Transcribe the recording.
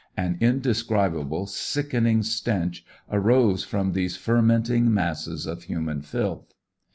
An indescribable sickening stench arose from these fermenting masses of human filth.